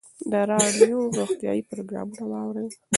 د راډیو روغتیایي پروګرامونه واورئ.